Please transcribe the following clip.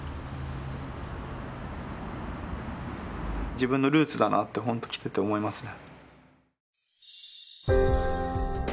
自分のルーツだなってほんと来てて思いますね